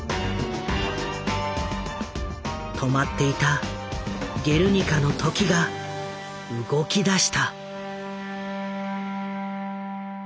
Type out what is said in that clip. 止まっていた「ゲルニカ」の時が動きだした。